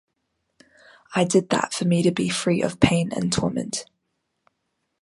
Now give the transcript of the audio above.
I did that for me to be free of pain and torment.